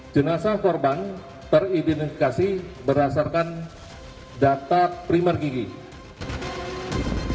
jenazah korban teridentifikasi berdasarkan data primer gigi yang dicocokkan dari korban dan keluarga